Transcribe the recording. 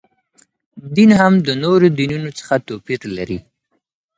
دین هم د نورو دینونو څخه توپیر لري.